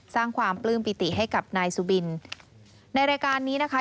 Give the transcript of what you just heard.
สร้างความปลื้มปิติให้กับนายสุบินในรายการนี้นะคะ